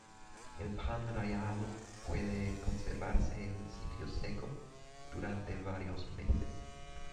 El pan rallado puede conservarse en un sitio seco durante varios meses.